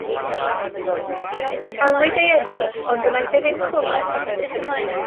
Galwyd ei enw ond wnaeth e ddim clywed.